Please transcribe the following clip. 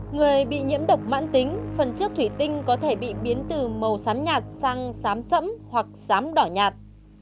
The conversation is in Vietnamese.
người bị nhiễm độc mãn tính phần trước thủy tinh có thể bị biến từ màu xám nhạt sang xám sẫm hoặc xám đỏ nhạt